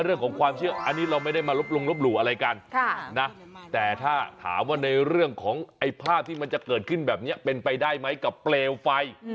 เรื่องของความเชื่ออันนี้เราไม่ได้มาลบลงลบหลู่อะไรกันแต่ถ้าถามว่าในเรื่องของไอ้ภาพที่มันจะเกิดขึ้นแบบนี้เป็นไปได้ไหมกับเปลวไฟ